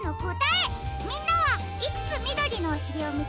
みんなはいくつみどりのおしりをみつけられたかな？